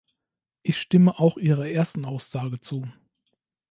Ich stimme auch Ihrer ersten Aussage zu.